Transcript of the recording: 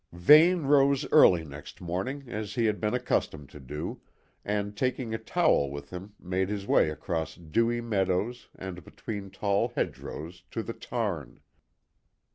Vane rose early next morning, as he had been accustomed to do, and taking a towel with him made his way across dewy meadows and between tall hedgerows to the tarn.